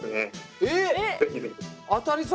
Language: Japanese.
えっ！